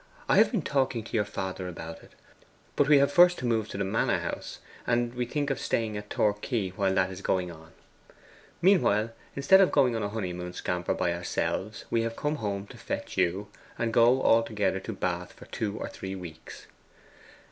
'I have been talking to your father about it. But we have first to move into the manor house, and we think of staying at Torquay whilst that is going on. Meanwhile, instead of going on a honeymoon scamper by ourselves, we have come home to fetch you, and go all together to Bath for two or three weeks.